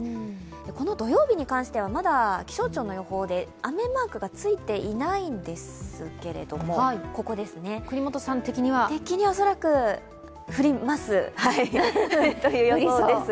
この土曜日に関してはまだ気象庁の予報で雨マークがついていないんですけれども恐らく降ります、という予報です。